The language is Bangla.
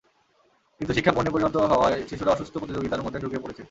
কিন্তু শিক্ষা পণ্যে পরিণত হওয়ায় শিশুরা অসুস্থ প্রতিযোগিতার মধ্যে ঢুকে পড়েছে।